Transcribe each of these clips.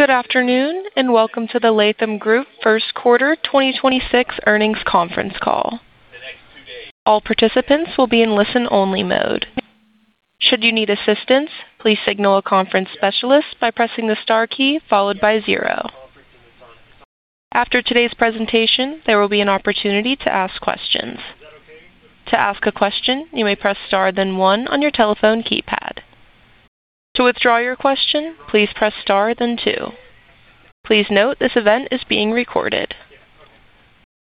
Good afternoon, welcome to the Latham Group first quarter 2026 earnings conference call. All participants will be in listen-only mode. Should you need assistance, please signal a conference specialist by pressing the star key followed by zero. After today's presentation, there will be an opportunity to ask questions. To ask a question, you may press star then one on your telephone keypad. To withdraw your question, please press star then two. Please note this event is being recorded.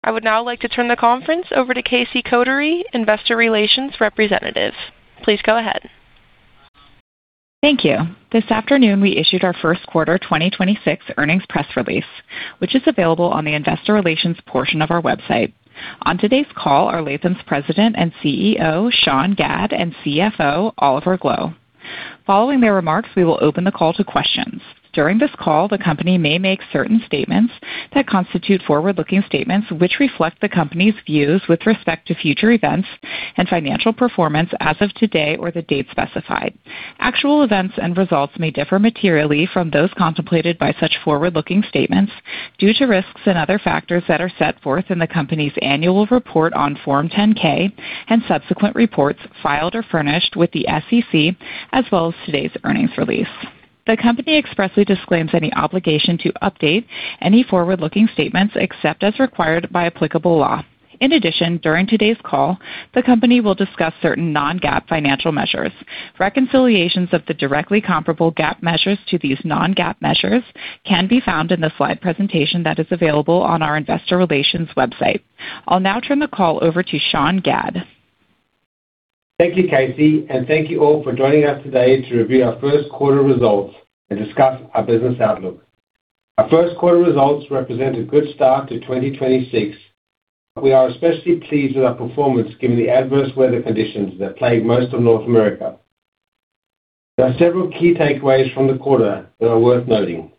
I would now like to turn the conference over to Casey Kotary, Investor Relations Representative. Please go ahead. Thank you. This afternoon, we issued our first quarter 2026 earnings press release, which is available on the investor relations portion of our website. On today's call are Latham's President and CEO, Sean Gadd, and CFO, Oliver Gloe. Following their remarks, we will open the call to questions. During this call, the company may make certain statements that constitute forward-looking statements which reflect the company's views with respect to future events and financial performance as of today or the date specified. Actual events and results may differ materially from those contemplated by such forward-looking statements due to risks and other factors that are set forth in the company's annual report on Form 10-K and subsequent reports filed or furnished with the SEC, as well as today's earnings release. The company expressly disclaims any obligation to update any forward-looking statements except as required by applicable law. In addition, during today's call, the company will discuss certain non-GAAP financial measures. Reconciliations of the directly comparable GAAP measures to these non-GAAP measures can be found in the slide presentation that is available on our investor relations website. I'll now turn the call over to Sean Gadd. Thank you, Casey, and thank you all for joining us today to review our first quarter results and discuss our business outlook. Our first quarter results represent a good start to 2026. We are especially pleased with our performance given the adverse weather conditions that plagued most of North America. There are several key takeaways from the quarter that are worth noting.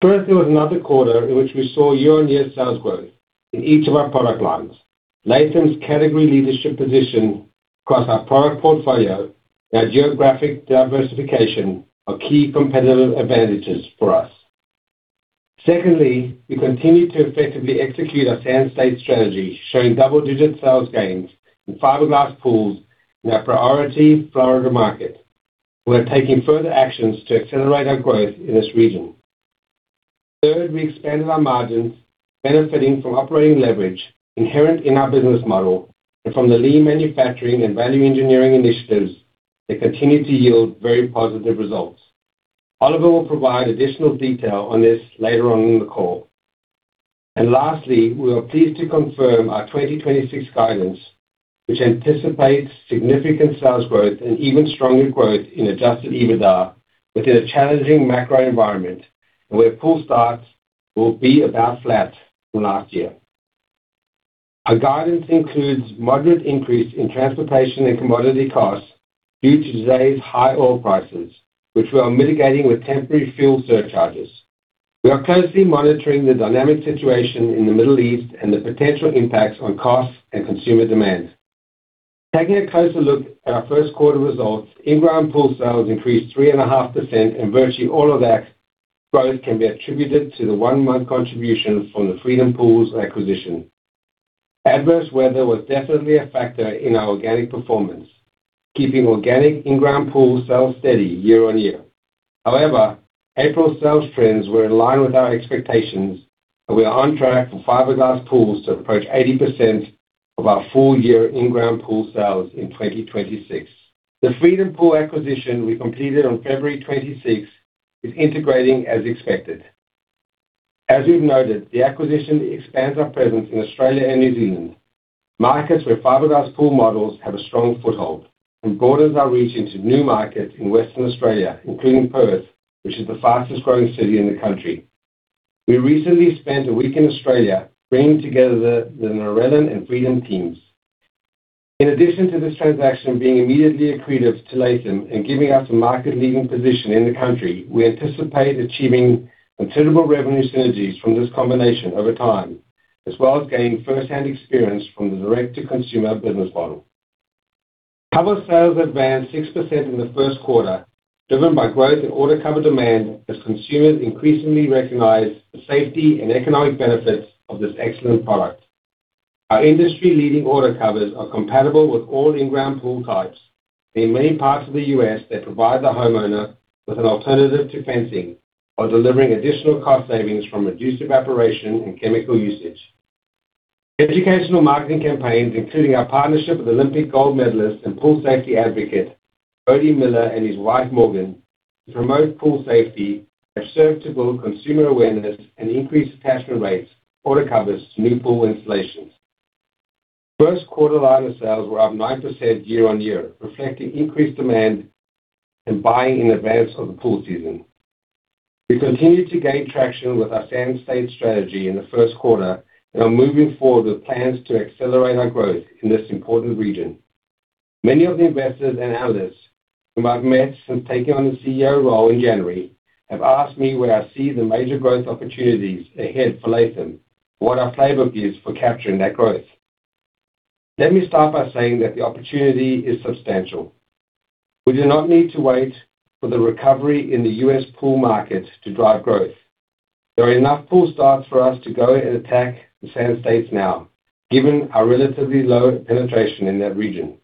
First, it was another quarter in which we saw year-on-year sales growth in each of our product lines. Latham's category leadership position across our product portfolio and our geographic diversification are key competitive advantages for us. Secondly, we continue to effectively execute our Sand State strategy, showing double-digit sales gains in fiberglass pools in our priority Florida market. We are taking further actions to accelerate our growth in this region. Third, we expanded our margins benefiting from operating leverage inherent in our business model and from the lean manufacturing and value engineering initiatives that continue to yield very positive results. Oliver will provide additional detail on this later on in the call. Lastly, we are pleased to confirm our 2026 guidance, which anticipates significant sales growth and even stronger growth in adjusted EBITDA within a challenging macro environment and where pool starts will be about flat from last year. Our guidance includes moderate increase in transportation and commodity costs due to today's high oil prices, which we are mitigating with temporary fuel surcharges. We are closely monitoring the dynamic situation in the Middle East and the potential impacts on costs and consumer demand. Taking a closer look at our first quarter results, in-ground pool sales increased 3.5%. Virtually all of that growth can be attributed to the one month contribution from the Freedom Pools acquisition. Adverse weather was definitely a factor in our organic performance, keeping organic in-ground pool sales steady year-on-year. However, April sales trends were in line with our expectations. We are on track for fiberglass pools to approach 80% of our full-year in-ground pool sales in 2026. The Freedom Pools acquisition we completed on February 26 is integrating as expected. As we've noted, the acquisition expands our presence in Australia and New Zealand, markets where fiberglass pool models have a strong foothold and broadens our reach into new markets in Western Australia, including Perth, which is the fastest-growing city in the country. We recently spent a week in Australia bringing together the Narellan and Freedom teams. In addition to this transaction being immediately accretive to Latham and giving us a market-leading position in the country, we anticipate achieving considerable revenue synergies from this combination over time, as well as gaining first-hand experience from the direct-to-consumer business model. Cover sales advanced 6% in the first quarter, driven by growth in order cover demand as consumers increasingly recognize the safety and economic benefits of this excellent product. Our industry-leading order covers are compatible with all in-ground pool types. In many parts of the U.S., they provide the homeowner with an alternative to fencing while delivering additional cost savings from reduced evaporation and chemical usage. Educational marketing campaigns, including our partnership with Olympic gold medalist and pool safety advocate, Bode Miller, and his wife, Morgan, to promote pool safety, have served to build consumer awareness and increase attachment rates for the covers to new pool installations. First quarter liner sales were up 9% year-over-year, reflecting increased demand and buying in advance of the pool season. We continued to gain traction with our Sand State strategy in the first quarter and are moving forward with plans to accelerate our growth in this important region. Many of the investors and analysts whom I've met since taking on the CEO role in January have asked me where I see the major growth opportunities ahead for Latham, what our playbook is for capturing that growth. Let me start by saying that the opportunity is substantial. We do not need to wait for the recovery in the U.S. pool market to drive growth. There are enough pool starts for us to go and attack the Sand States now, given our relatively low penetration in that region.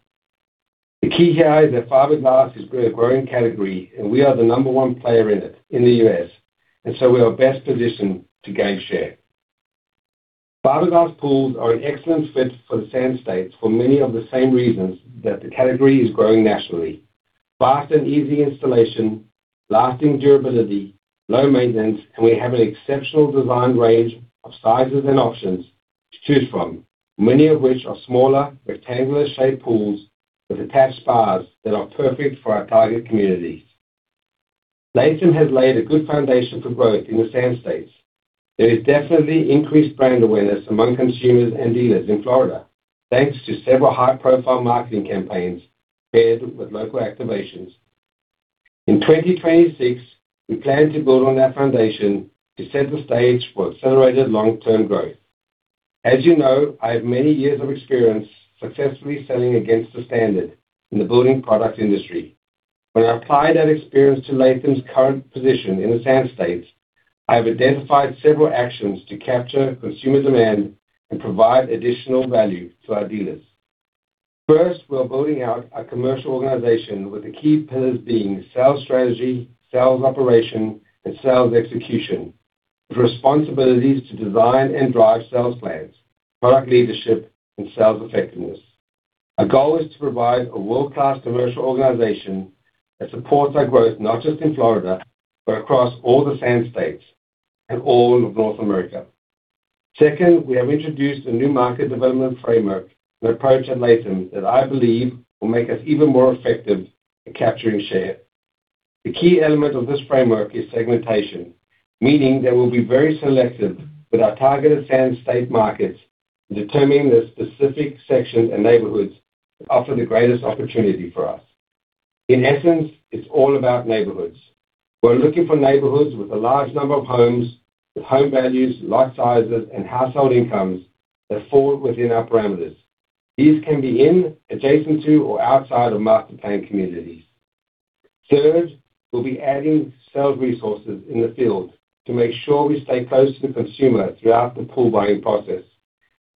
The key here is that fiberglass is a growing category, and we are the number one player in it in the U.S., and so we are best positioned to gain share. Fiberglass pools are an excellent fit for the Sand States for many of the same reasons that the category is growing nationally. Fast and easy installation, lasting durability, low maintenance, and we have an exceptional designed range of sizes and options to choose from, many of which are smaller, rectangular shaped pools with attached spas that are perfect for our target communities. Latham has laid a good foundation for growth in the Sand States. There is definitely increased brand awareness among consumers and dealers in Florida, thanks to several high-profile marketing campaigns paired with local activations. In 2026, we plan to build on that foundation to set the stage for accelerated long-term growth. As you know, I have many years of experience successfully selling against the standard in the building product industry. When I applied that experience to Latham's current position in the Sand States, I have identified several actions to capture consumer demand and provide additional value to our dealers. First, we are building out a commercial organization with the key pillars being sales strategy, sales operation, and sales execution, with responsibilities to design and drive sales plans, product leadership, and sales effectiveness. Our goal is to provide a world-class commercial organization that supports our growth, not just in Florida, but across all the Sand States and all of North America. Second, we have introduced a new market development framework and approach at Latham that I believe will make us even more effective at capturing share. The key element of this framework is segmentation, meaning that we'll be very selective with our target Sand State markets in determining the specific sections and neighborhoods that offer the greatest opportunity for us. In essence, it's all about neighborhoods. We're looking for neighborhoods with a large number of homes, with home values, lot sizes, and household incomes that fall within our parameters. These can be in, adjacent to, or outside of master planned communities. Third, we'll be adding sales resources in the field to make sure we stay close to the consumer throughout the pool buying process.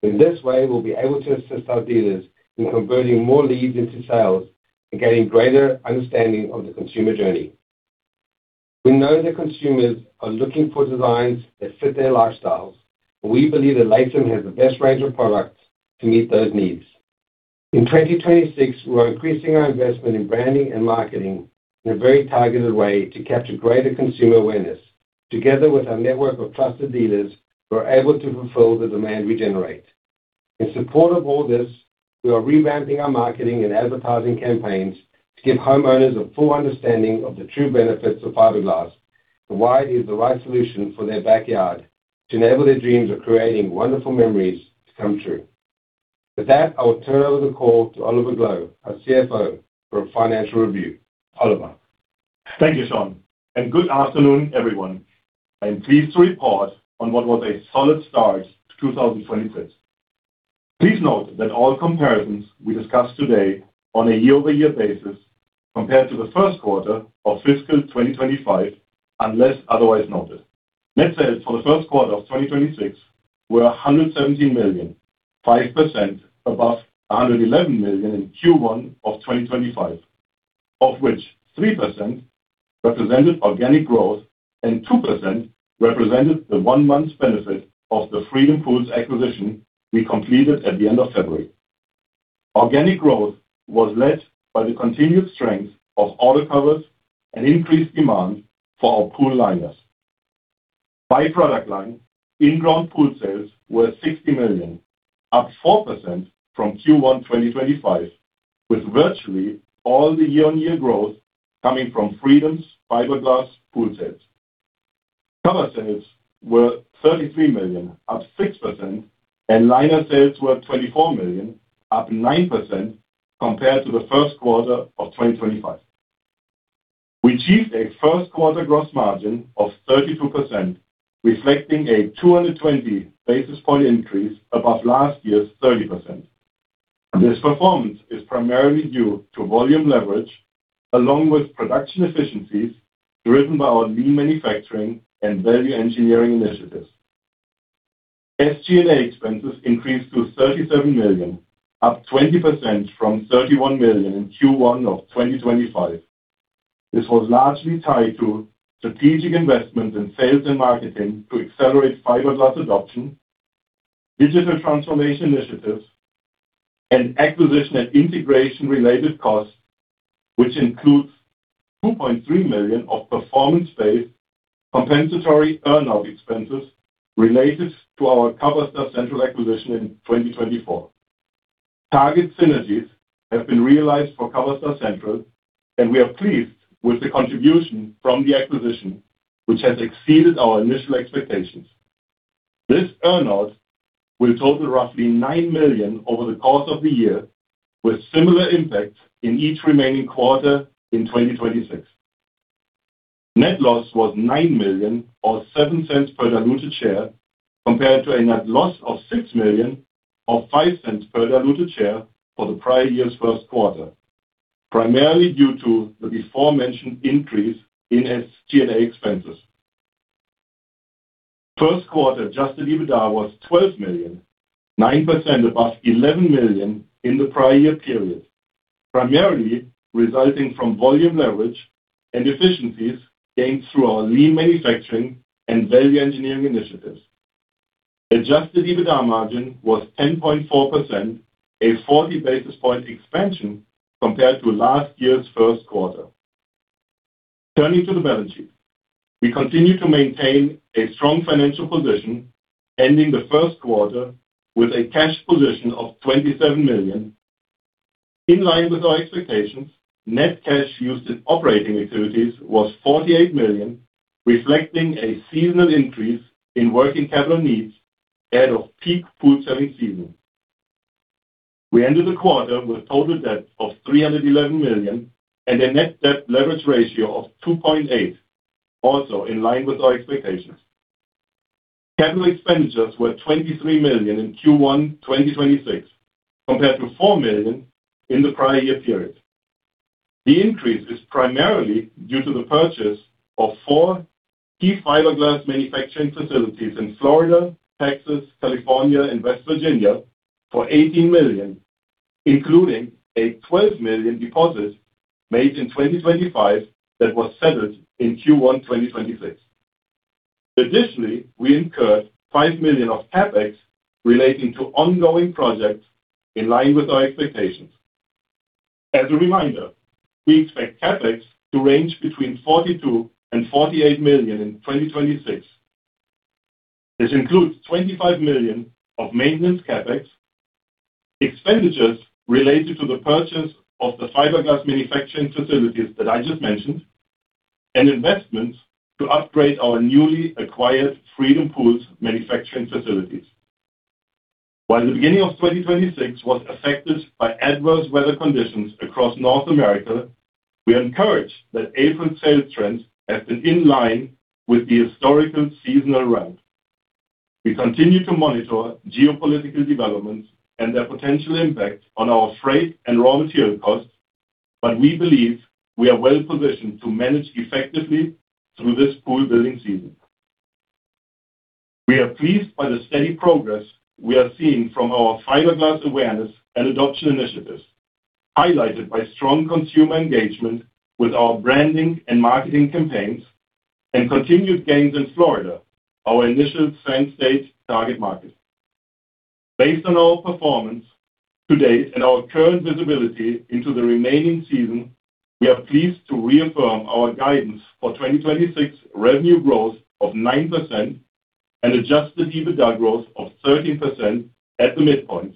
In this way, we'll be able to assist our dealers in converting more leads into sales and getting greater understanding of the consumer journey. We know that consumers are looking for designs that fit their lifestyles, and we believe that Latham has the best range of products to meet those needs. In 2026, we are increasing our investment in branding and marketing in a very targeted way to capture greater consumer awareness. Together with our network of trusted dealers, we're able to fulfill the demand we generate. In support of all this, we are revamping our marketing and advertising campaigns to give homeowners a full understanding of the true benefits of fiberglass and why it is the right solution for their backyard to enable their dreams of creating wonderful memories to come true. With that, I will turn over the call to Oliver Gloe, our CFO, for a financial review. Oliver. Thank you, Sean, and good afternoon, everyone. I am pleased to report on what was a solid start to 2026. Please note that all comparisons we discuss today are on a year-over-year basis compared to the first quarter of fiscal 2025, unless otherwise noted. Net sales for the first quarter of 2026 were $117 million, 5% above $111 million in Q1 2025, of which 3% represented organic growth and 2% represented the one month's benefit of the Freedom Pools acquisition we completed at the end of February. Organic growth was led by the continued strength of auto covers and increased demand for our pool liners. By product line, in-ground pool sales were $60 million, up 4% from Q1 2025, with virtually all the year-on-year growth coming from Freedom's fiberglass pool sales. Cover sales were $33 million, up 6%, and liner sales were $24 million, up 9% compared to the first quarter of 2025. We achieved a first quarter gross margin of 32%, reflecting a 220 basis point increase above last year's 30%. This performance is primarily due to volume leverage along with production efficiencies driven by our lean manufacturing and value engineering initiatives. SG&A expenses increased to $37 million, up 20% from $31 million in Q1 of 2025. This was largely tied to strategic investments in sales and marketing to accelerate fiberglass adoption, digital transformation initiatives, and acquisition and integration related costs, which includes $2.3 million of performance-based compensatory earn out expenses related to our Coverstar Central acquisition in 2024. Target synergies have been realized for Coverstar Central. We are pleased with the contribution from the acquisition, which has exceeded our initial expectations. This earn out will total roughly $9 million over the course of the year, with similar impact in each remaining quarter in 2026. Net loss was $9 million or $0.07 per diluted share compared to a net loss of $6 million or $0.05 per diluted share for the prior year's first quarter, primarily due to the beforementioned increase in SG&A expenses. First quarter adjusted EBITDA was $12 million, 9% above $11 million in the prior year period, primarily resulting from volume leverage and efficiencies gained through our lean manufacturing and value engineering initiatives. Adjusted EBITDA margin was 10.4%, a 40 basis point expansion compared to last year's first quarter. Turning to the balance sheet. We continue to maintain a strong financial position, ending the first quarter with a cash position of $27 million. In line with our expectations, net cash used in operating activities was $48 million, reflecting a seasonal increase in working capital needs ahead of peak pool selling season. We ended the quarter with total debt of $311 million and a net debt leverage ratio of 2.8, also in line with our expectations. Capital expenditures were $23 million in Q1 2026 compared to $4 million in the prior year period. The increase is primarily due to the purchase of four key fiberglass manufacturing facilities in Florida, Texas, California and West Virginia for $18 million, including a $12 million deposit made in 2025 that was settled in Q1 2026. Additionally, we incurred $5 million of CapEx relating to ongoing projects in line with our expectations. As a reminder, we expect CapEx to range between $42 million and $48 million in 2026. This includes $25 million of maintenance CapEx, expenditures related to the purchase of the fiberglass manufacturing facilities that I just mentioned, and investments to upgrade our newly acquired Freedom Pools manufacturing facilities. While the beginning of 2026 was affected by adverse weather conditions across North America, we are encouraged that April sales trends have been in line with the historical seasonal ramp. We continue to monitor geopolitical developments and their potential impact on our freight and raw material costs, but we believe we are well positioned to manage effectively through this pool building season. We are pleased by the steady progress we are seeing from our fiberglass awareness and adoption initiatives, highlighted by strong consumer engagement with our branding and marketing campaigns and continued gains in Florida, our initial Sand State target market. Based on our performance to date and our current visibility into the remaining season, we are pleased to reaffirm our guidance for 2026 revenue growth of 9% and adjusted EBITDA growth of 13% at the midpoint,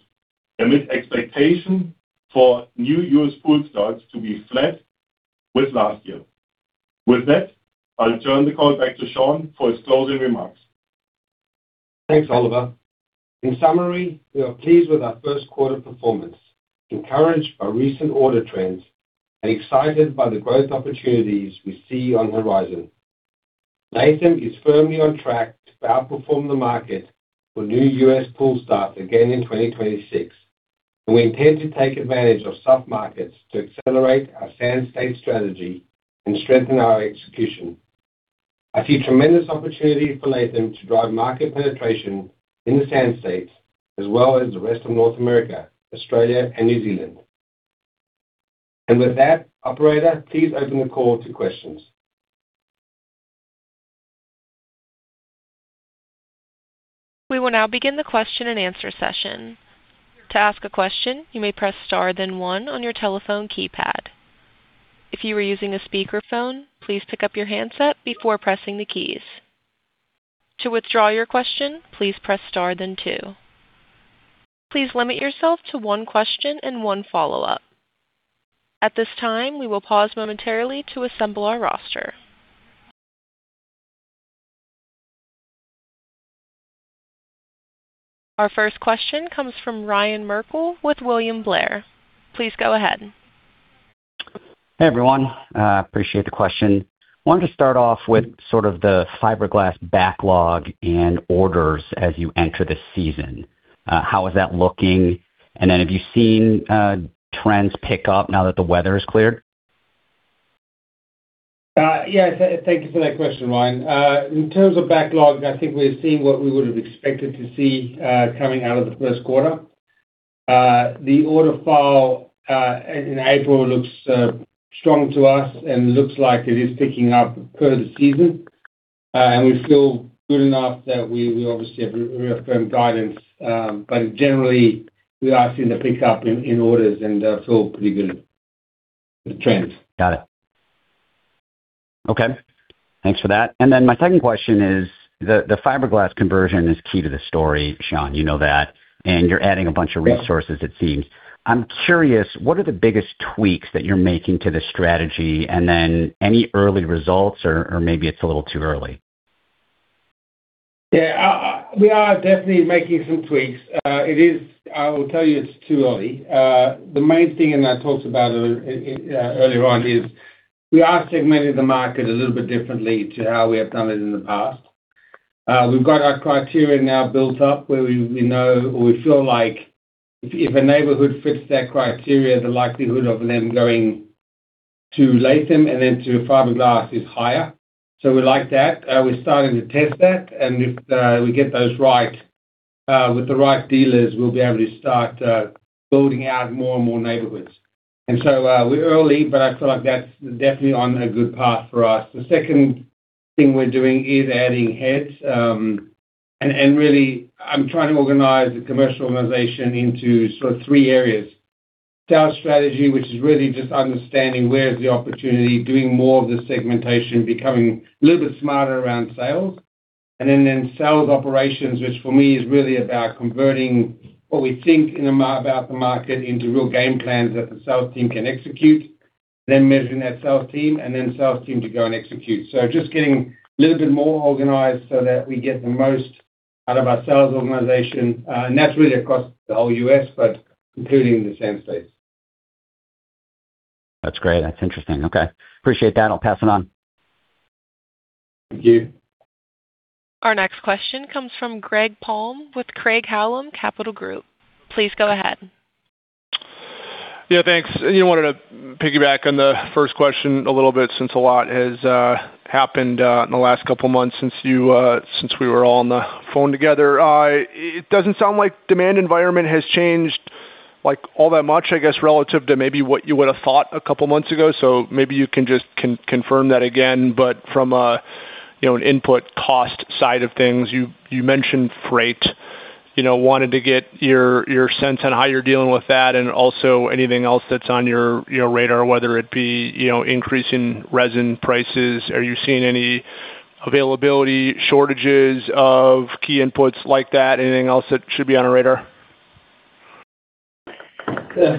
amid expectation for new U.S. pool starts to be flat with last year. With that, I'll turn the call back to Sean for his closing remarks. Thanks, Oliver. In summary, we are pleased with our first quarter performance, encouraged by recent order trends, and excited by the growth opportunities we see on horizon. Latham is firmly on track to outperform the market for new U.S. pool starts again in 2026, and we intend to take advantage of soft markets to accelerate our Sand State strategy and strengthen our execution. I see tremendous opportunity for Latham to drive market penetration in the Sand States as well as the rest of North America, Australia and New Zealand. With that, operator, please open the call to questions. We will now begin the question and answer session. To ask a question, you may press star then one on your telephone keypad. If you are using a speakerphone, please pick up your handset before pressing the keys. To withdraw your question, please press star then two. Please limit yourself to one question and one follow-up. At this time, we will pause momentarily to assemble our roster. Our first question comes from Ryan Merkel with William Blair. Please go ahead. Hey, everyone. Appreciate the question. Wanted to start off with sort of the fiberglass backlog and orders as you enter the season. How is that looking? Have you seen trends pick up now that the weather has cleared? Yeah, thank you for that question, Ryan. In terms of backlog, I think we're seeing what we would have expected to see, coming out of the first quarter. The order file, in April looks strong to us and looks like it is picking up per the season. We feel good enough that we obviously have reaffirmed guidance, but generally, we are seeing the pickup in orders, and feel pretty good with trends. Got it. Okay. Thanks for that. My second question is the fiberglass conversion is key to the story, Sean, you know that, and you're adding a bunch of resources, it seems. I'm curious, what are the biggest tweaks that you're making to the strategy, and then any early results, or maybe it's a little too early? Yeah, we are definitely making some tweaks. I will tell you it's too early. The main thing, and I talked about it earlier on, is we are segmenting the market a little bit differently to how we have done it in the past. We've got our criteria now built up where we know or we feel like if a neighborhood fits that criteria, the likelihood of them going to Latham and then to fiberglass is higher. We like that. We're starting to test that, and if we get those right, with the right dealers, we'll be able to start building out more and more neighborhoods. We're early, but I feel like that's definitely on a good path for us. The second thing we're doing is adding heads, and really I'm trying to organize the commercial organization into sort of three areas. Sales strategy, which is really just understanding where is the opportunity, doing more of the segmentation, becoming a little bit smarter around sales. Then sales operations, which for me is really about converting what we think about the market into real game plans that the sales team can execute, then measuring that sales team and then sales team to go and execute. Just getting a little bit more organized so that we get the most out of our sales organization. That's really across the whole U.S. but including the Sand States. That's great. That's interesting. Okay. Appreciate that. I'll pass it on. Thank you. Our next question comes from Greg Palm with Craig-Hallum Capital Group. Please go ahead. Yeah, thanks. You know, wanted to piggyback on the first question a little bit since a lot has happened in the last couple of months since you, since we were all on the phone together. It doesn't sound like demand environment has changed, like, all that much, I guess, relative to maybe what you would have thought a couple months ago. Maybe you can just confirm that again, but from a, you know, an input cost side of things, you mentioned freight. You know, wanted to get your sense on how you're dealing with that and also anything else that's on your radar, whether it be, you know, increasing resin prices. Are you seeing any availability shortages of key inputs like that? Anything else that should be on our radar?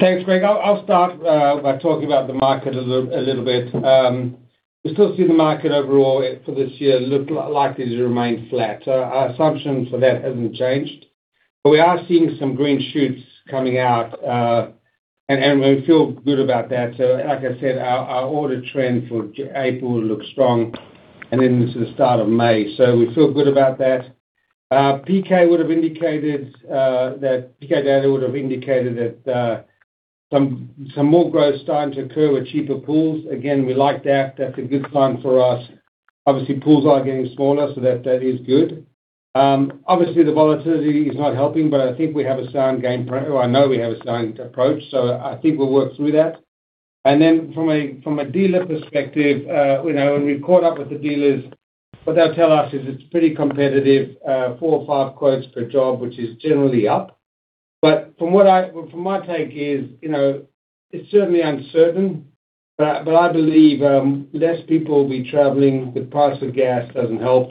Thanks, Greg. I'll start by talking about the market a little bit. We still see the market overall for this year look likely to remain flat. Our assumption for that hasn't changed. We are seeing some green shoots coming out, and we feel good about that. Like I said, our order trend for April looks strong and into the start of May. We feel good about that. Pk would have indicated that, Pkdata would have indicated that some more growth starting to occur with cheaper pools. Again, we like that. That's a good sign for us. Obviously, pools are getting smaller, so that is good. Obviously, the volatility is not helping, but I think we have a sound approach, I know we have a sound approach. I think we'll work through that. From a, from a dealer perspective, you know, when we caught up with the dealers, what they'll tell us is it's pretty competitive, four or five quotes per job, which is generally up. From my take is, you know, it's certainly uncertain, but I believe less people will be traveling. The price of gas doesn't help.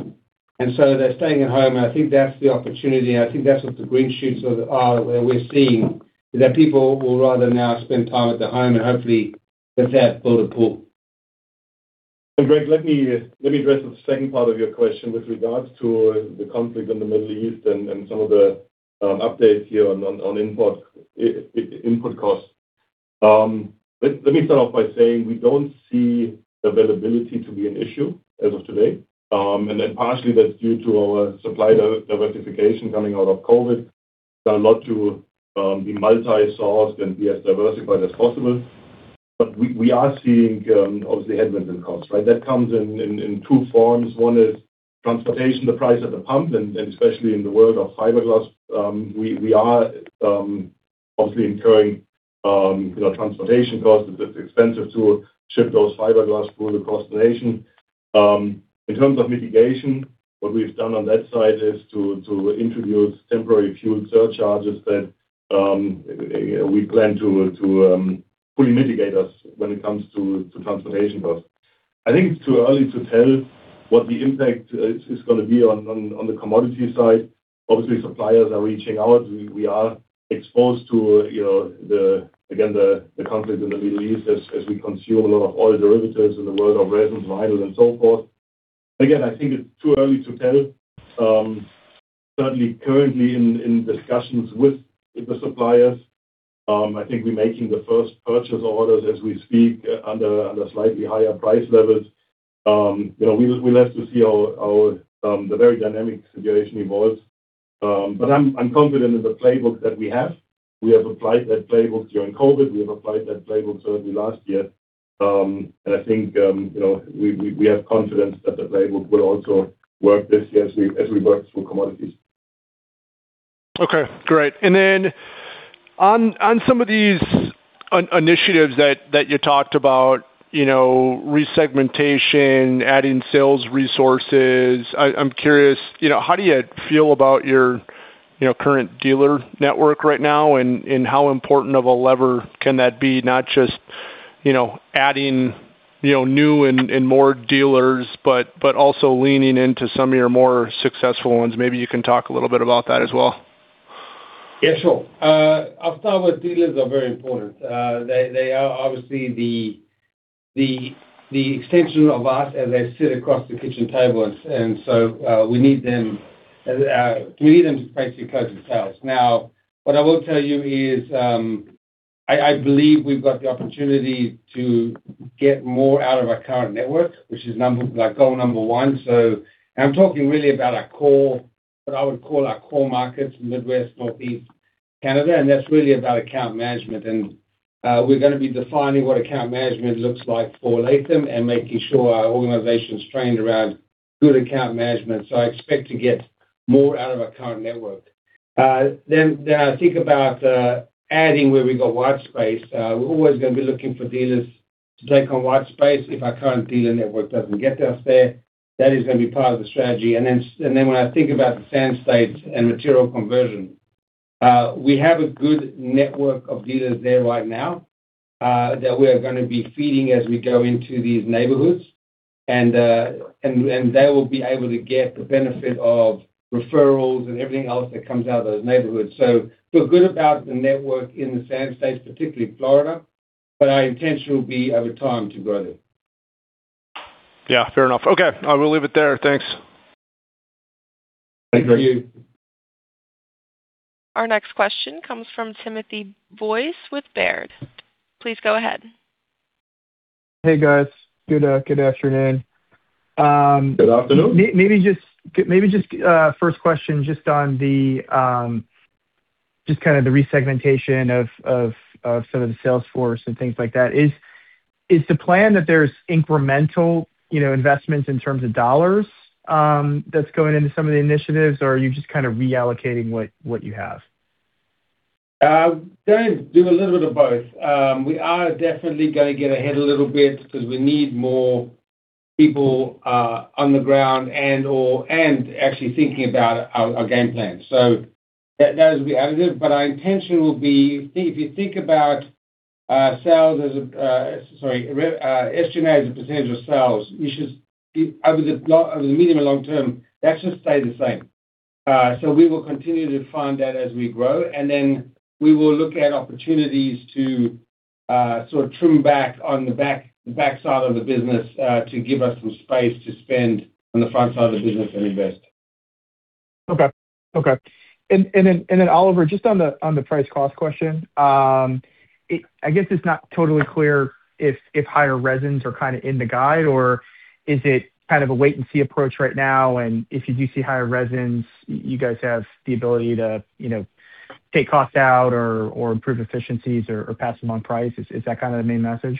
They're staying at home. I think that's the opportunity. I think that's what the green shoots are we're seeing, is that people will rather now spend time at their home and hopefully with that build a pool. Greg, let me address the second part of your question with regards to the conflict in the Middle East and some of the updates here on input costs. Let me start off by saying we don't see availability to be an issue as of today. Partially that's due to our supply diversification coming out of COVID. Done a lot to be multi-sourced and be as diversified as possible. We are seeing obviously headwinds in costs, right? That comes in two forms. One is transportation, the price at the pump, and especially in the world of fiberglass, we are obviously incurring, you know, transportation costs. It's expensive to ship those fiberglass pool across the nation. In terms of mitigation, what we've done on that side is to introduce temporary fuel surcharges that we plan to fully mitigate us when it comes to transportation costs. I think it's too early to tell what the impact is gonna be on the commodity side. Obviously, suppliers are reaching out. We are exposed to, you know, the, again, the conflict in the Middle East as we consume a lot of oil derivatives in the world of resins, vinyl and so forth. Again, I think it's too early to tell. Certainly currently in discussions with the suppliers. I think we're making the first purchase orders as we speak under slightly higher price levels. You know, we'll have to see our the very dynamic situation evolves. I'm confident in the playbook that we have. We have applied that playbook during COVID. We have applied that playbook certainly last year. I think, you know, we have confidence that the playbook will also work this year as we work through commodities. Okay, great. On some of these initiatives that you talked about, you know, resegmentation, adding sales resources, I'm curious, how do you feel about your current dealer network right now and how important of a lever can that be not just adding new and more dealers, but also leaning into some of your more successful ones? Maybe you can talk a little bit about that as well. Sure. I'll start with dealers are very important. They are obviously the extension of us as they sit across the kitchen table. We need them to basically close the sales. What I will tell you is, I believe we've got the opportunity to get more out of our current network, which is like goal number one. I'm talking really about our core, what I would call our core markets, Midwest, Northeast Canada, and that's really about account management. We're gonna be defining what account management looks like for Latham and making sure our organization's trained around good account management. I expect to get more out of our current network. Then I think about adding where we've got white space. We're always gonna be looking for dealers to take on white space if our current dealer network doesn't get us there. That is gonna be part of the strategy. Then when I think about the Sand States and material conversion, we have a good network of dealers there right now, that we are gonna be feeding as we go into these neighborhoods. And they will be able to get the benefit of referrals and everything else that comes out of those neighborhoods. Feel good about the network in the Sand States, particularly Florida, but our intention will be over time to grow it. Yeah, fair enough. Okay. We'll leave it there. Thanks. Thank you. Our next question comes from Timothy Wojs with Baird. Please go ahead. Hey, guys. Good, good afternoon. Good afternoon. Maybe just first question just on the kind of the resegmentation of some of the sales force and things like that. Is the plan that there's incremental, you know, investments in terms of dollars that's going into some of the initiatives, or are you just kind of reallocating what you have? Going to do a little bit of both. We are definitely gonna get ahead a little bit because we need more people on the ground and actually thinking about our game plan. That will be additive. Our intention will be, if you think about sales as a, sorry, estimated as a percentage of sales, you should be over the medium and long term, that should stay the same. We will continue to fund that as we grow, and then we will look at opportunities to sort of trim back on the back side of the business to give us some space to spend on the front side of the business and invest. Okay. Then, Oliver, just on the price cost question, I guess it's not totally clear if higher resins are kinda in the guide or is it kind of a wait and see approach right now? If you do see higher resins, you guys have the ability to, you know, take costs out or improve efficiencies or pass them on price. Is that kind of the main message?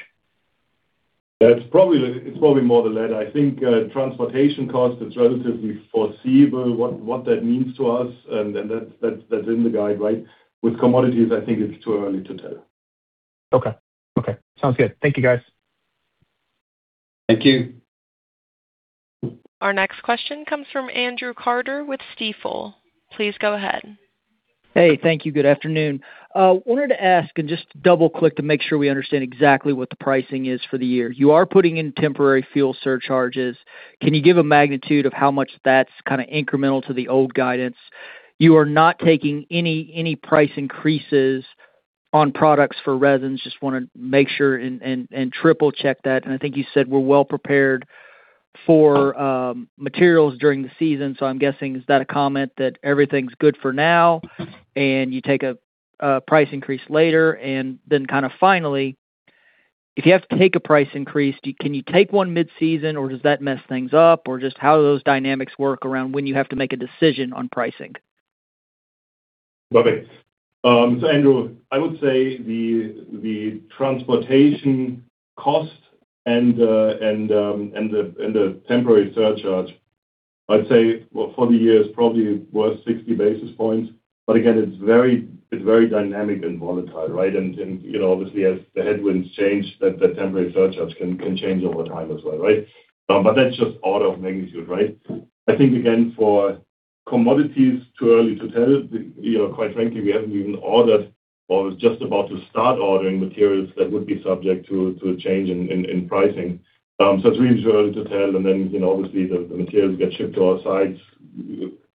That's probably more the latter. I think transportation cost is relatively foreseeable, what that means to us, and that's in the guide, right? With commodities, I think it's too early to tell. Okay. Sounds good. Thank you, guys. Thank you. Our next question comes from Andrew Carter with Stifel. Please go ahead. Hey. Thank you. Good afternoon. I wanted to ask and just double-click to make sure we understand exactly what the pricing is for the year. You are putting in temporary fuel surcharges. Can you give a magnitude of how much that's kinda incremental to the old guidance? You are not taking any price increases on products for resins. Just wanna make sure and triple-check that. I think you said we're well prepared for materials during the season. I'm guessing is that a comment that everything's good for now and you take a price increase later? Kinda finally, if you have to take a price increase, can you take one mid-season or does that mess things up? Just how do those dynamics work around when you have to make a decision on pricing? Love it. Andrew, I would say the transportation cost and the temporary surcharge, I'd say for the year is probably worth 60 basis points. Again, it's very dynamic and volatile. You know, obviously as the headwinds change, that temporary surcharge can change over time as well. That's just order of magnitude. I think again, for commodities, too early to tell. You know, quite frankly, we haven't even ordered or is just about to start ordering materials that would be subject to a change in pricing. It's really too early to tell. You know, obviously the materials get shipped to our sites,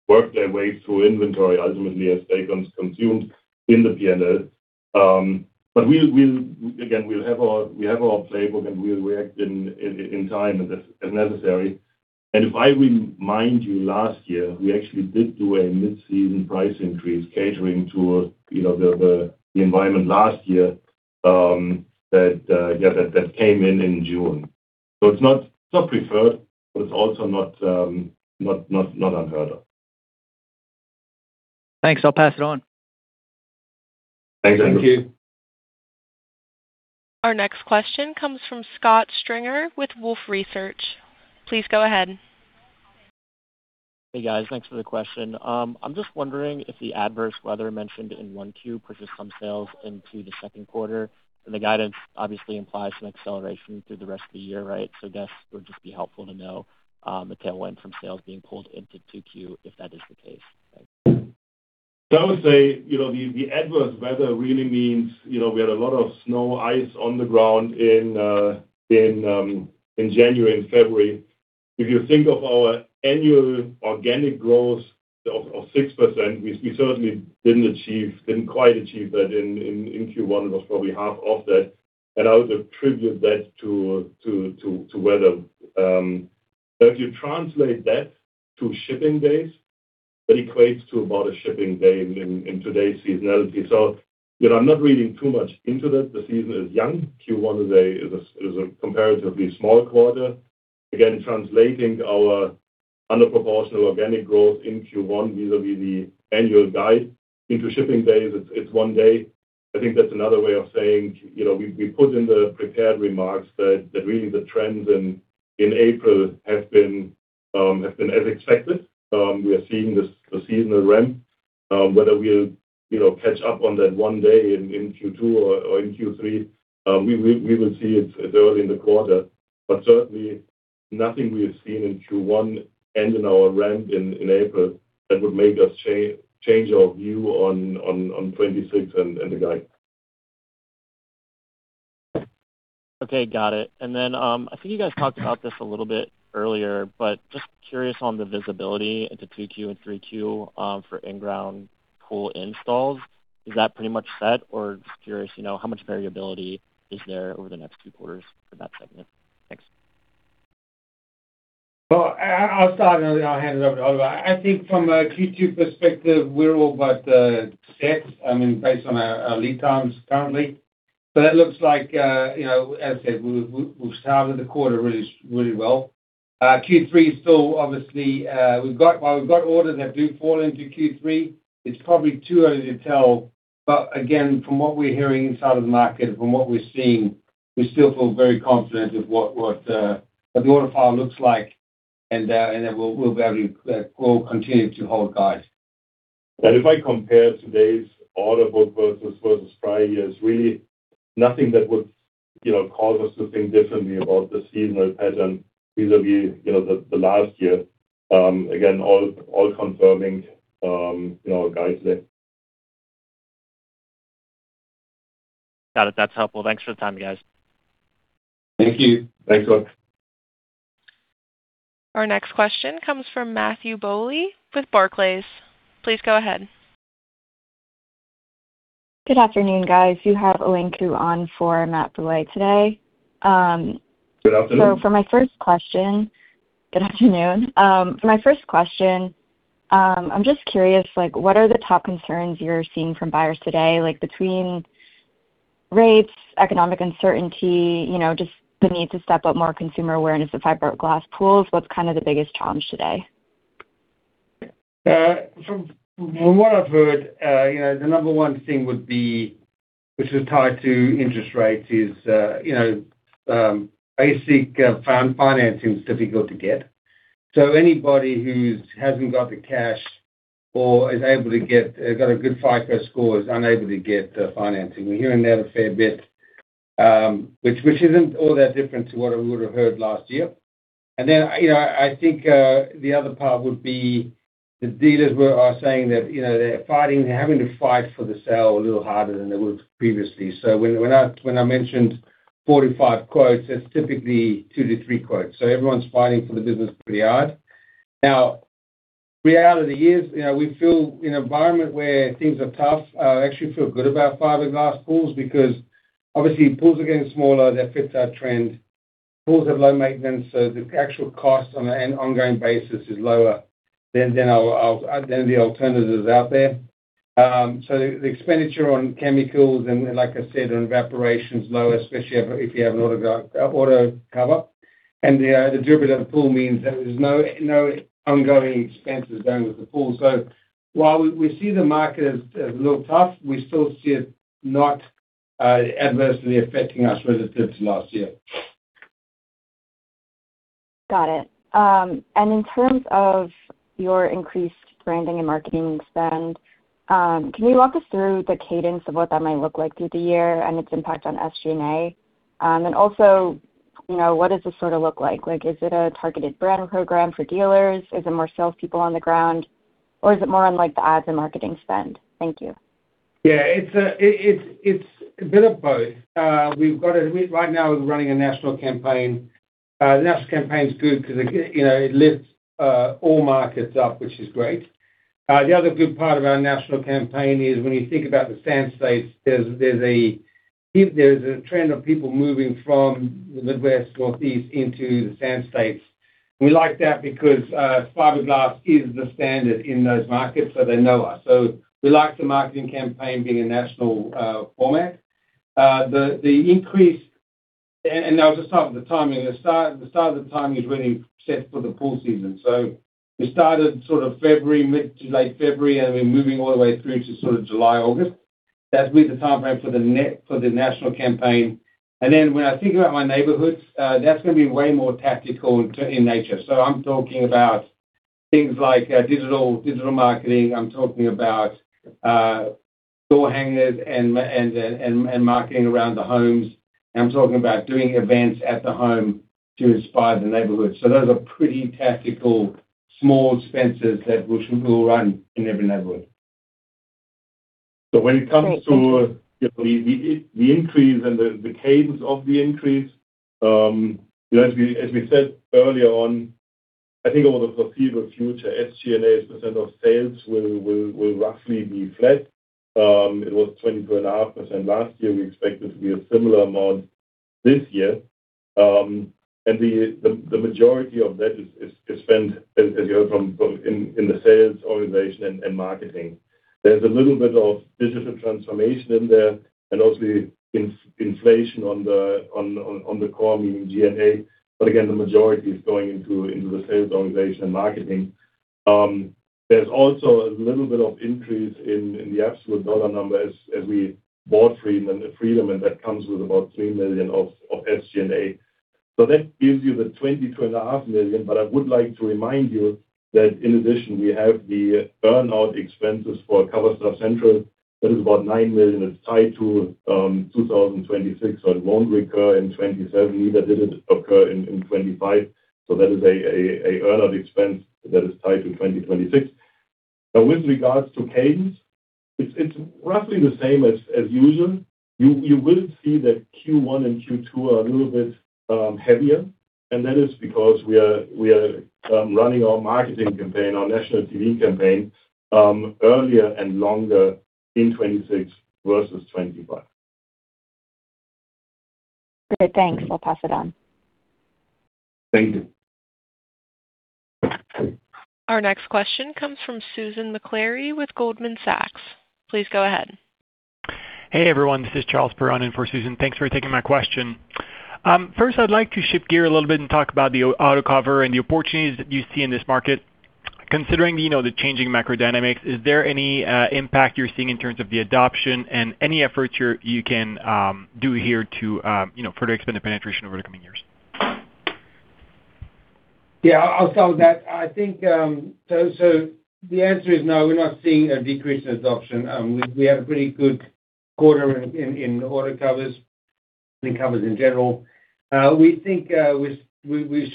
work their way through inventory ultimately as they get consumed in the P&L. We'll again, we have our playbook, and we'll react in time as necessary. If I remind you last year, we actually did do a mid-season price increase catering to, you know, the environment last year, that came in in June. It's not, it's not preferred, but it's also not unheard of. Thanks. I'll pass it on. Thanks, Andrew. Thank you. Our next question comes from Scott Stringer with Wolfe Research. Please go ahead. Hey, guys. Thanks for the question. I'm just wondering if the adverse weather mentioned in 1Q pushed some sales into the second quarter. The guidance obviously implies some acceleration through the rest of the year, right? I guess it would just be helpful to know the tailwind from sales being pulled into 2Q if that is the case. Thanks. I would say, you know, the adverse weather really means, you know, we had a lot of snow, ice on the ground in January and February. If you think of our annual organic growth of 6%, we certainly didn't quite achieve that in Q1, it was probably half of that. I would attribute that to weather. If you translate that to shipping days, that equates to about a shipping day in today's seasonality. You know, I'm not reading too much into that. The season is young. Q1 is a comparatively small quarter. Again, translating our under proportional organic growth in Q1 vis-à-vis the annual guide into shipping days, it's one day. I think that's another way of saying, you know, we put in the prepared remarks that really the trends in April have been as expected. We are seeing the seasonal ramp. Whether we'll, you know, catch up on that one day in Q2 or in Q3, we will see it early in the quarter. Certainly nothing we have seen in Q1 and in our ramp in April that would make us change our view on 2026 and the guide. Okay, got it. I think you guys talked about this a little bit earlier, but just curious on the visibility into 2Q and 3Q for in-ground pool installs. Is that pretty much set or just curious, you know, how much variability is there over the next two quarters for that segment? Thanks. Well, I'll start and I'll hand it over to Oliver. I think from a Q2 perspective, we're all but set, I mean, based on our lead times currently. That looks like, you know, as I said, we've started the quarter really well. Q3 is still obviously, while we've got orders that do fall into Q3, it's probably too early to tell. Again, from what we're hearing inside of the market and from what we're seeing, we still feel very confident of what the order file looks like, and that we'll be able to, we'll continue to hold guide. If I compare today's order book versus prior years, really nothing that would, you know, cause us to think differently about the seasonal pattern vis-à-vis, you know, the last year. Again, all confirming, you know, our guidance there. Got it. That's helpful. Thanks for the time, guys. Thank you. Thanks, Alex. Our next question comes from Matthew Bouley with Barclays. Please go ahead. Good afternoon, guys. You have Elaine Ku on for Matthew Bouley today. Good afternoon. Good afternoon. For my first question, I'm just curious, like, what are the top concerns you're seeing from buyers today? Like between rates, economic uncertainty, you know, just the need to step up more consumer awareness of fiberglass pools, what's kind of the biggest challenge today? From what I've heard, you know, the number one thing would be, which is tied to interest rates, is, you know, basic financing is difficult to get. Anybody who's hasn't got the cash or is able to get, got a good FICO score is unable to get financing. We're hearing that a fair bit, which isn't all that different to what we would've heard last year. You know, I think the other part would be the dealers are saying that, you know, they're fighting, they're having to fight for the sale a little harder than they would previously. When I mentioned 45 quotes, that's typically two to three quotes. Everyone's fighting for the business pretty hard. Reality is, you know, we feel in an environment where things are tough, actually feel good about fiberglass pools because obviously pools are getting smaller. That fits our trend. Pools have low maintenance, the actual cost on an ongoing basis is lower than our alternatives out there. The expenditure on chemicals and like I said, on evaporation is lower, especially if you have an auto cover. The durability of the pool means that there's no ongoing expenses done with the pool. While we see the market as a little tough, we still see it not adversely affecting us relative to last year. Got it. In terms of your increased branding and marketing spend, can you walk us through the cadence of what that might look like through the year and its impact on SG&A? Also, you know, what does this sort of look like? Like is it a targeted brand program for dealers? Is it more salespeople on the ground? Or is it more on like the ads and marketing spend? Thank you. Yeah, it's a bit of both. We're running a national campaign. The national campaign's good cause it, you know, it lifts all markets up, which is great. The other good part about a national campaign is when you think about the Sand States, there's a trend of people moving from the Midwest, Northeast into the Sand States. We like that because fiberglass is the standard in those markets, so they know us. We like the marketing campaign being a national format. The increase, I'll just talk about the timing. The start of the timing is really set for the pool season. We started sort of February, mid to late February, and we're moving all the way through to sort of July, August. That's with the timeframe for the national campaign. When I think about my neighborhoods, that's gonna be way more tactical in nature. I'm talking about things like digital marketing. I'm talking about door hangers and marketing around the homes. I'm talking about doing events at the home to inspire the neighborhood. Those are pretty tactical, small expenses that we will run in every neighborhood. When it comes to, you know, the increase and the cadence of the increase, you know, as we, as we said earlier on, I think over the foreseeable future, SG&A as a percent of sales will roughly be flat. It was 20.5% last year. We expect it to be a similar amount this year. And the majority of that is spent, as you heard from both in the sales organization and marketing. There's a little bit of digital transformation in there and also inflation on the core, meaning G&A. Again, the majority is going into the sales organization and marketing. There's also a little bit of increase in the absolute dollar number as we bought Freedom and Freedom, and that comes with about $3 million of SG&A. That gives you the $20.5 million. I would like to remind you that in addition, we have the earn-out expenses for Coverstar Central. That is about $9 million. It's tied to 2026, so it won't recur in 2027, neither did it occur in 2025. That is a earn-out expense that is tied to 2026. With regards to cadence, it's roughly the same as usual. You will see that Q1 and Q2 are a little bit heavier, and that is because we are running our marketing campaign, our national TV campaign, earlier and longer in 2026 versus 2025. Great. Thanks. I'll pass it on. Thank you. Our next question comes from Susan Maklari with Goldman Sachs. Please go ahead. Hey, everyone. This is Charles Perron-Piché in for Susan. Thanks for taking my question. First, I'd like to shift gear a little bit and talk about the auto cover and the opportunities that you see in this market. Considering, you know, the changing macro dynamics, is there any impact you're seeing in terms of the adoption and any efforts you can do here to, you know, further expand the penetration over the coming years? Yeah, I'll start with that. I think the answer is no, we're not seeing a decrease in adoption. We had a pretty good quarter in auto covers and covers in general. I mean, we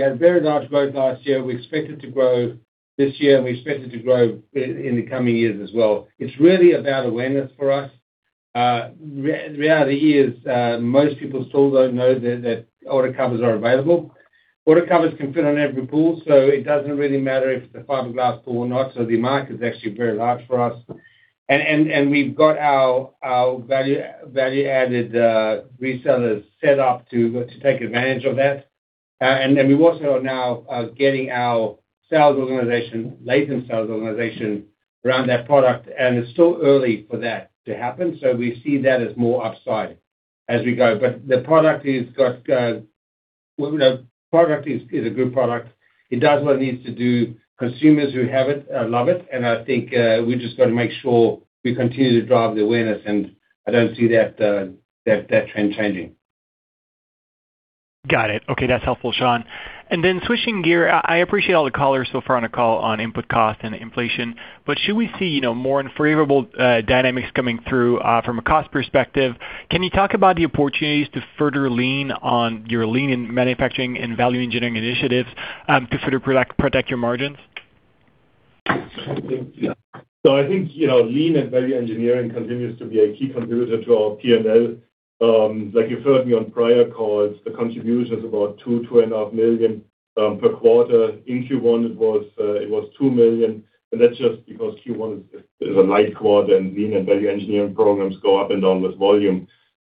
had very large growth last year. We expect it to grow this year. We expect it to grow in the coming years as well. It's really about awareness for us. Reality is, most people still don't know that auto covers are available. Auto covers can fit on every pool. It doesn't really matter if it's a fiberglass pool or not. The market is actually very large for us. We've got our value-added resellers set up to take advantage of that. Then we also are now getting our sales organization, latent sales organization around that product, and it's still early for that to happen. We see that as more upside as we go. The product is got. Well, the product is a good product. It does what it needs to do. Consumers who have it, love it, and I think, we've just got to make sure we continue to drive the awareness, and I don't see that trend changing. Got it. Okay, that's helpful, Sean. Switching gear, I appreciate all the colors so far on the call on input cost and inflation. Should we see, you know, more unfavorable dynamics coming through from a cost perspective, can you talk about the opportunities to further lean on your lean in manufacturing and value engineering initiatives to further protect your margins? I think, lean and value engineering continues to be a key contributor to our P&L. Like you've heard me on prior calls, the contribution is about $2 million-$2.5 million per quarter. In Q1, it was $2 million, and that's just because Q1 is a light quarter, and lean and value engineering programs go up and down with volume.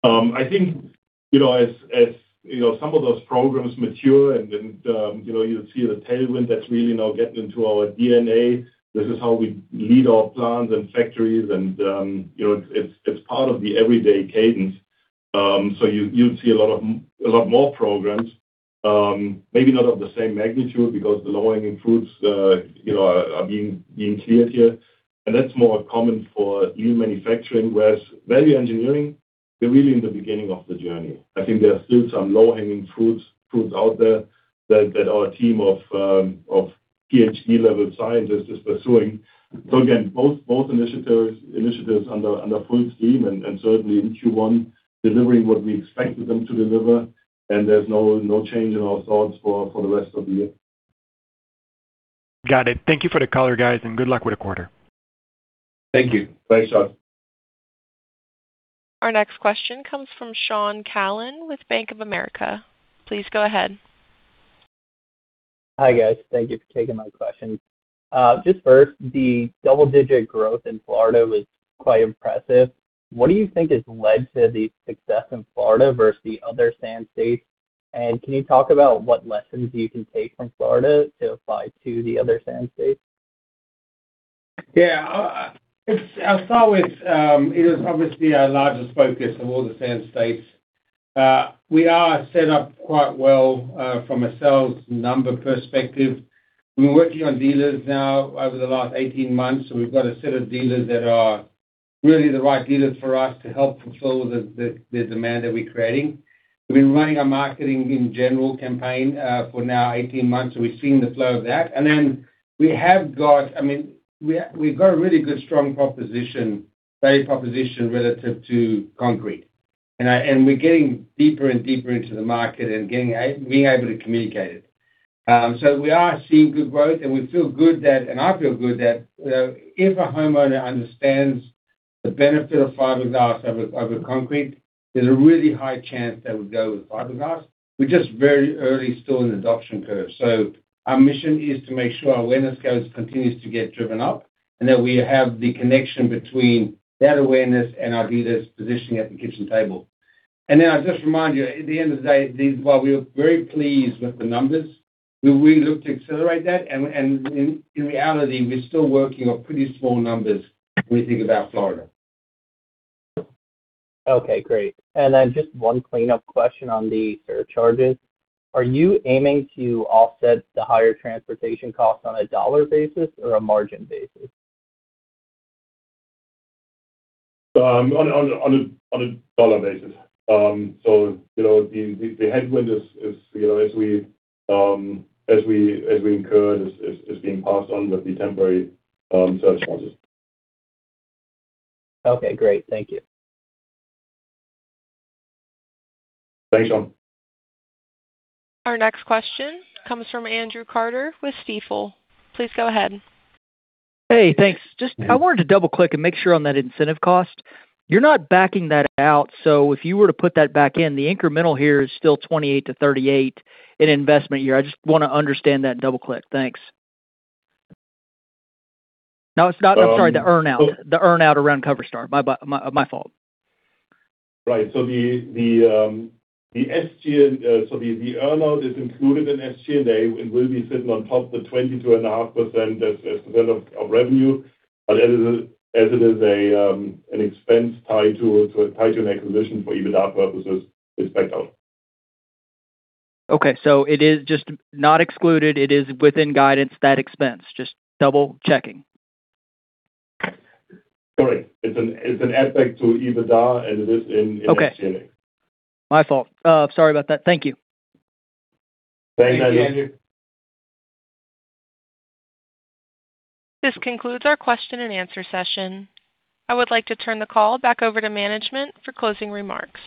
I think, as some of those programs mature, you'll see the tailwind that's really now getting into our DNA. This is how we lead our plants and factories, it's part of the everyday cadence. You'd see a lot of a lot more programs, maybe not of the same magnitude because the low-hanging fruits, you know, are being cleared here. That's more common for lean manufacturing, whereas value engineering, they're really in the beginning of the journey. I think there are still some low-hanging fruits out there that our team of PhD-level scientists is pursuing. Again, both initiatives under full steam and certainly in Q1, delivering what we expected them to deliver, and there's no change in our thoughts for the rest of the year. Got it. Thank you for the color, guys, and good luck with the quarter. Thank you. Thanks, Sean. Our next question comes from Shaun Calnan with Bank of America. Please go ahead. Hi, guys. Thank you for taking my question. Just first, the double-digit growth in Florida was quite impressive. What do you think has led to the success in Florida versus the other Sand States? Can you talk about what lessons you can take from Florida to apply to the other Sand States? Yeah. I'll start with, it is obviously our largest focus of all the Sand States. We are set up quite well from a sales number perspective. We're working on dealers now over the last 18 months, so we've got a set of dealers that are really the right dealers for us to help fulfill the demand that we're creating. We've been running a marketing in general campaign for now 18 months, so we've seen the flow of that. We have got, I mean, we've got a really good, strong proposition, value proposition relative to concrete. We're getting deeper and deeper into the market and being able to communicate it. We are seeing good growth, and we feel good that, and I feel good that, you know, if a homeowner understands the benefit of fiberglass over concrete, there's a really high chance they would go with fiberglass. We're just very early still in the adoption curve. Our mission is to make sure our awareness continues to get driven up and that we have the connection between that awareness and our leaders positioning at the kitchen table. I'll just remind you, at the end of the day, while we are very pleased with the numbers, we really look to accelerate that. In reality, we're still working on pretty small numbers when we think about Florida. Okay, great. Then just one cleanup question on the surcharges. Are you aiming to offset the higher transportation costs on a dollar basis or a margin basis? On a dollar basis. You know, the headwind is, you know, as we incurred is being passed on with the temporary surcharges. Okay, great. Thank you. Thanks, Shaun. Our next question comes from Andrew Carter with Stifel. Please go ahead. Hey, thanks. I wanted to double-click and make sure on that incentive cost. You're not backing that out, so if you were to put that back in, the incremental here is still $28 to $38 in investment year. I just want to understand that and double-click. Thanks. No, it's not. I'm sorry, the earn out. The earn out around Coverstar. My fault. Right. The earn out is included in SG&A and will be sitting on top the 22.5% as percent of revenue. As it is an expense tied to an acquisition for EBITDA purposes, it is backed out. Okay. It is just not excluded. It is within guidance, that expense. Just double-checking. Correct. It's an add back to EBITDA, and it is in SG&A. Okay. My fault. Sorry about that. Thank you. Thanks, Andrew. This concludes our question and answer session. I would like to turn the call back over to management for closing remarks.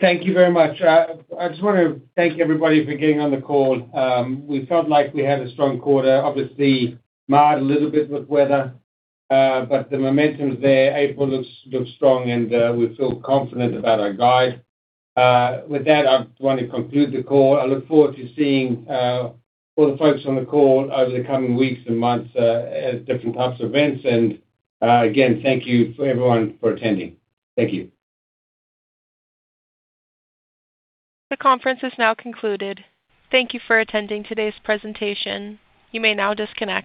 Thank you very much. I just wanna thank everybody for getting on the call. We felt like we had a strong quarter, obviously marred a little bit with weather, but the momentum's there. April looks strong, and we feel confident about our guide. With that, I want to conclude the call. I look forward to seeing all the folks on the call over the coming weeks and months at different types of events. Again, thank you for everyone for attending. Thank you. The conference is now concluded. Thank you for attending today's presentation. You may now disconnect.